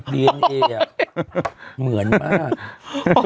ดีเอนเออ่ะเหมือนมาก